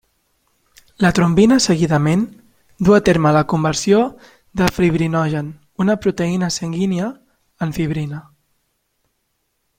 La trombina seguidament, duu a terme la conversió de fibrinogen, una proteïna sanguínia, en fibrina.